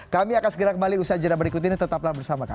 kami akan segera kembali usaha jadwal berikut ini tetaplah bersama kami